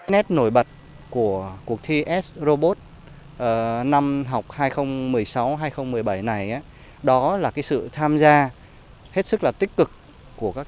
nét nổi bật của cuộc thi s robot năm học hai nghìn một mươi sáu hai nghìn một mươi bảy này đó là sự tham gia hết sức là tích cực của các